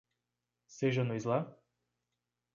Seja no Islã?